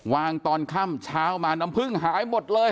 ตอนค่ำเช้ามาน้ำผึ้งหายหมดเลย